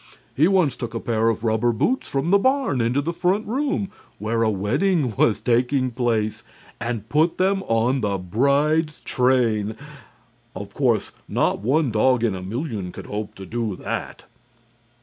He once took a pair of rubber boots from the barn into the front room, where a wedding was taking place, and put them on the bride's train. Of course, not one dog in a million could hope to do that.